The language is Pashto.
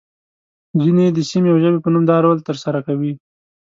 ځینې يې د سیمې او ژبې په نوم دا رول ترسره کوي.